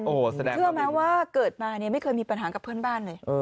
เชื่อไหมว่าเกิดมาไม่เคยมีปัญหากับเพื่อนบ้านเลย